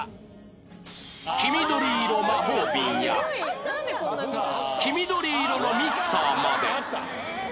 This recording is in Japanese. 黄緑色魔法瓶や黄緑色のミキサーまで